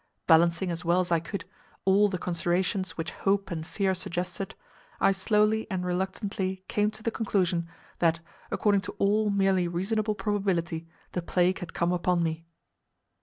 Balancing as well as I could all the considerations which hope and fear suggested, I slowly and reluctantly came to the conclusion that, according to all merely reasonable probability, the plague had come upon me.